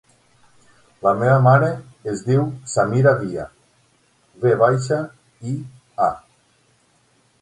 La meva mare es diu Samira Via: ve baixa, i, a.